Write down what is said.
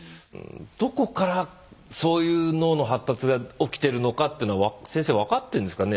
どこからそういう脳の発達が起きてるのかっていうのは先生分かってるんですかね？